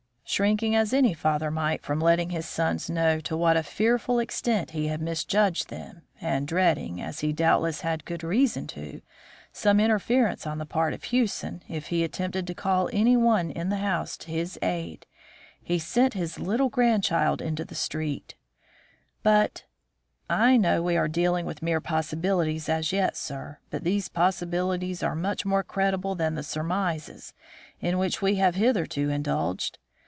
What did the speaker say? Shrinking as any father might from letting his sons know to what a fearful extent he had misjudged them, and dreading, as he doubtless had good reason to, some interference on the part of Hewson if he attempted to call any one in the house to his aid, he sent his little grandchild into the street " "But " "I know we are dealing with mere possibilities as yet, sir. But these possibilities are much more credible than the surmises in which we have hitherto indulged.